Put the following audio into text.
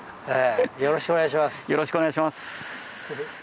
よろしくお願いします。